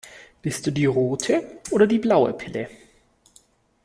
Willst du die rote oder die blaue Pille?